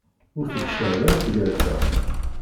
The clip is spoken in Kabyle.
Ur tettcab ara tgerfa.